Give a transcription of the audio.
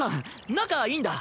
仲いいんだ。